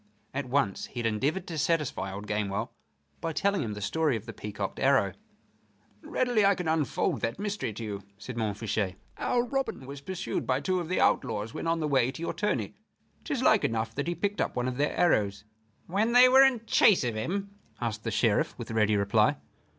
At once he had endeavored to satisfy old Gamewell by telling him the story of the peacocked arrow. "Readily can I unfold that mystery to you," said Montfichet. "Our Robin was pursued by two of the outlaws when on the way to your tourney. 'Tis like enough that he picked up one of their arrows." "When they were in chase of him?" asked the Sheriff, with ready reply.